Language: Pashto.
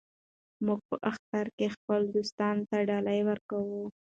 موږ په اختر کې خپلو دوستانو ته ډالۍ ورکوو.